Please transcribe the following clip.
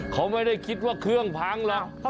เขาไม่ได้คิดว่าเครื่องพังแล้ว